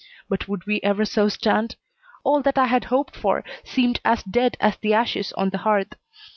But would we ever so stand? All that I had hoped for seemed as dead as the ashes on the hearth.